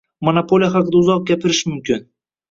Monopoliya haqida uzoq gapirish mumkin